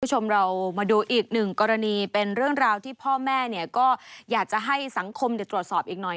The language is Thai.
คุณผู้ชมเรามาดูอีกหนึ่งกรณีเป็นเรื่องราวที่พ่อแม่เนี่ยก็อยากจะให้สังคมตรวจสอบอีกหน่อย